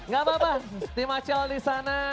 gak apa apa tim acel disana